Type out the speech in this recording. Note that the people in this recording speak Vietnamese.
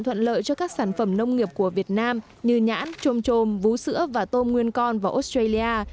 thuận lợi cho các sản phẩm nông nghiệp của việt nam như nhãn trôm trôm vú sữa và tôm nguyên con vào australia